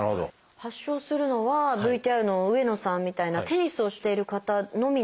発症するのはＶＴＲの上野さんみたいなテニスをしている方のみなんですか？